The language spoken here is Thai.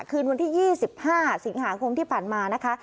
คืนวันที่๒๕สิงหาคมที่ผ่านมานะคะ